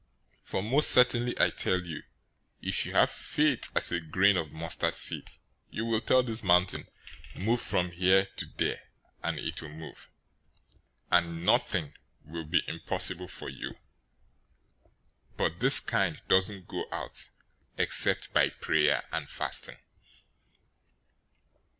For most certainly I tell you, if you have faith as a grain of mustard seed, you will tell this mountain, 'Move from here to there,' and it will move; and nothing will be impossible for you. 017:021 But this kind doesn't go out except by prayer and fasting."